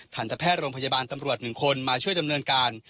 ทันตแพทย์โรงพยาบาลตำรวจ๑คนมาช่วยดำเนินการ